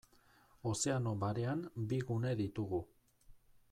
Ozeano Barean bi gune ditugu.